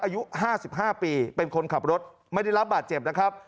อายุ๕๕ปีเป็นคนขับรถไม่ได้รับบาดเจ็บนะครับ